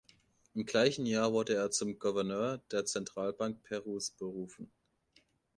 Im gleichen Jahr wurde er zum Gouverneur der Zentralbank Perus berufen.